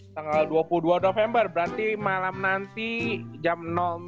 tanggal dua puluh dua november berarti malam nanti jam